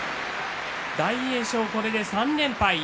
大栄翔、これで３連敗